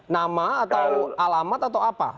nama atau alamat atau apa